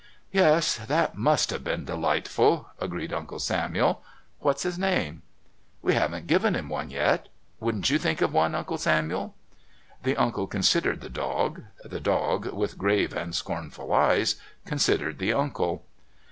"Yes, that must have been delightful," agreed Uncle Samuel. "What's his name?" "We haven't given him one yet. Wouldn't you think of one, Uncle Samuel?" The uncle considered the dog. The dog, with grave and scornful eyes, considered the uncle.